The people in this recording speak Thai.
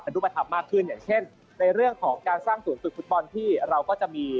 เป็นรูปประทับมากขึ้นอย่างเช่นในเรื่องของการสร้างสูตรฟุตบอลที่เราก็จะมี